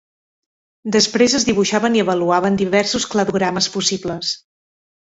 Després es dibuixaven i avaluaven diversos cladogrames possibles.